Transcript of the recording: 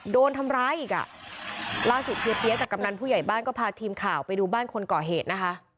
โดนทำร้ายอีกอ่ะล่าสุดเฮียเปี๊ยกจากกำนันผู้ใหญ่บ้านก็พาทีมข่าวไปดูบ้านคนก่อเหตุนะคะ